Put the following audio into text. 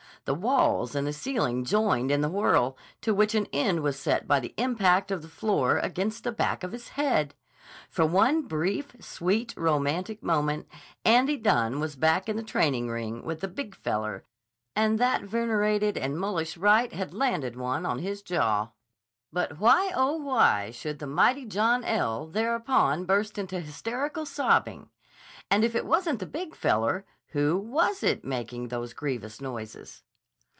The walls and the ceiling joined in the whirl, to which an end was set by the impact of the floor against the back of his head. For one brief, sweet, romantic moment Andy Dunne was back in the training ring with the Big Feller and that venerated and mulish right had landed one on his jaw. But why, oh, why, should the mighty John L. thereupon burst into hysterical sobbing? And if it wasn't the Big Feller, who was it making those grievous noises?